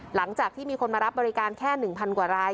หลังจากที่มีคนมารับบริการแค่๑๐๐กว่าราย